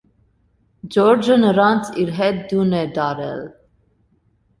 Ջորջը նրանց իր հետ տուն է տարել։